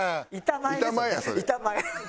板前。